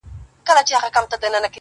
خاونده زور لرم خواږه خو د يارۍ نه غواړم.